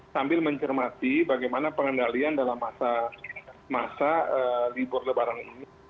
sambil mencermati bagaimana pengendalian dalam masa libur lebaran ini